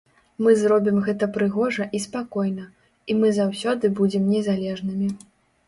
Мы зробім гэта прыгожа і спакойна, і мы заўсёды будзем незалежнымі.